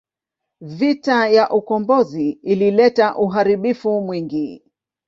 Vita ya ukombozi ilileta uharibifu mwingi.